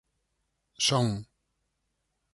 "Son".